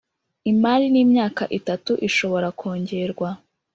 Imari ni imyaka itatu ishobora kongerwa